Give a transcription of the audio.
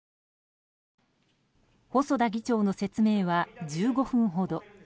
細田議長の説明は１５分ほど。